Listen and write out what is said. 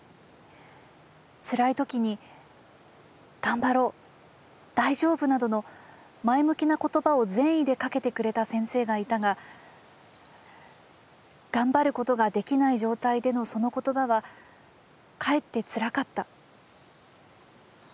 辛いときに『がんばろう』『大丈夫』などの前向きな言葉を善意でかけてくれた先生がいたが頑張ることができない状態でのその言葉はかえってつらかった。